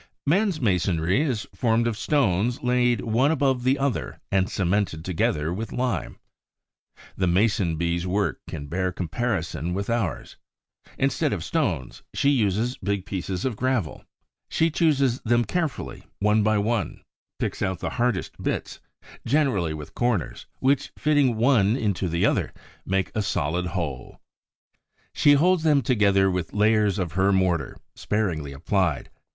Man's masonry is formed of stones laid one above the other and cemented together with lime. The Mason bee's work can bear comparison with ours. Instead of stones, she uses big pieces of gravel. She chooses them carefully one by one, picks out the hardest bits, generally with corners, which, fitting one into the other, make a solid whole. She holds them together with layers of her mortar, sparingly applied.